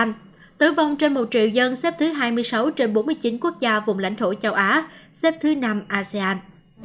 tổng số ca tử vong trên một triệu dân xếp thứ hai mươi sáu trên bốn mươi chín quốc gia vùng lãnh thổ châu á xếp thứ năm asean